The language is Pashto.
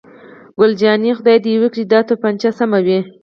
ګل جانې: خدای دې وکړي چې دا تومانچه سمه وي.